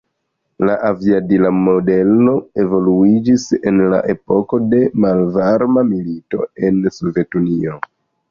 La aviadila modelo evoluiĝis en la epoko de Malvarma Milito en Sovetunio.